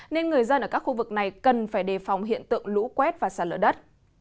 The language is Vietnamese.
nên người dân ở các khu vực này cần phải đề phòng hiện tượng lũ quét và xa lỡ đất